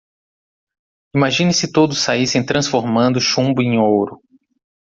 Imagine se todos saíssem transformando chumbo em ouro.